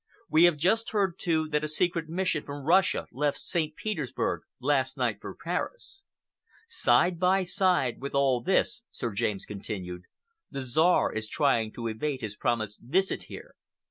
We have just heard, too, that a secret mission from Russia left St. Petersburg last night for Paris. Side by side with all this," Sir James continued, "the Czar is trying to evade his promised visit here.